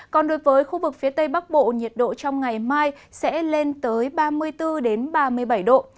còn đối với khu vực phía tây bắc bộ nhiệt độ trong ngày mai sẽ lên tới ba mươi bốn ba mươi bảy độ